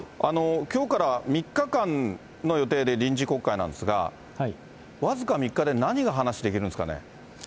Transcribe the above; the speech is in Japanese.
きょうから３日間の予定で臨時国会なんですが、僅か３日で何が話しできるんですかね。